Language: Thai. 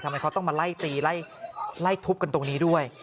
ทำไมเขาต้องมาไล่ตีไล่ทุบกันตรงนี้ด้วย